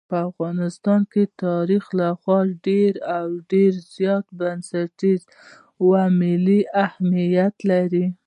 په افغانستان کې تاریخ خورا ډېر او ډېر زیات بنسټیز او ملي اهمیت لري.